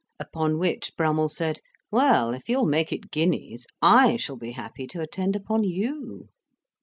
upon which Brummell said, "well, if you will make it guineas, I shall be happy to attend upon you."